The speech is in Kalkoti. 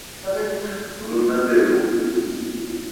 رو نہ بابھو۔